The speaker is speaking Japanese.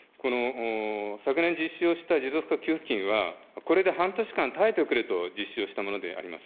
昨年実施をした持続化給付金は、これで半年間耐えてくれと、実施をしたものであります。